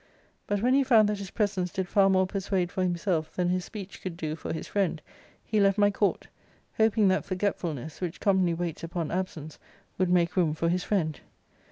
But when he found that his presence did far more persuade for himself than his speech could do for his friend, he left my court; hoping that forgetfulness, which commonly waits upon absenoar wQuld make room for his friend.